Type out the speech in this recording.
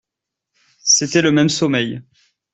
C'était le même sommeil.